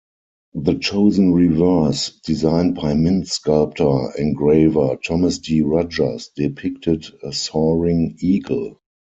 The chosen reverse, designed by Mint sculptor-engraver Thomas D. Rogers, depicted a soaring eagle.